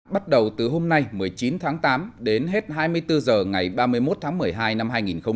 bắt đầu từ hôm nay một mươi chín tháng tám đến hết hai mươi bốn h ngày ba mươi một tháng một mươi hai năm hai nghìn một mươi chín